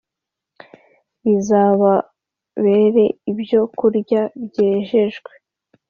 bizababere ibyokurya byejejwe